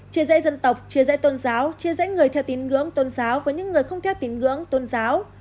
chia dãy dân tộc chia dãy tôn giáo chia dãy người theo tín ngưỡng tôn giáo với những người không theo tín ngưỡng tôn giáo